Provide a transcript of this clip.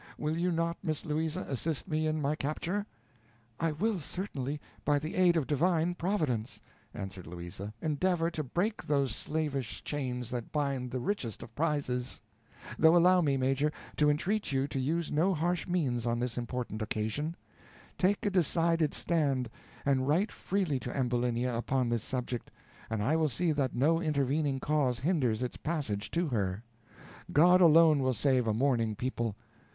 Will you not, Miss Louisa, assist me in my capture?" "I will certainly, by the aid of Divine Providence," answered Louisa, "endeavor to break those slavish chains that bind the richest of prizes; though allow me, Major, to entreat you to use no harsh means on this important occasion; take a decided stand, and write freely to Ambulinia upon this subject, and I will see that no intervening cause hinders its passage to her. God alone will save a mourning people.